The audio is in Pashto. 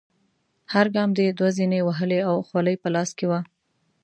هر ګام دې دوه زینې وهلې او خولۍ په لاس کې وه.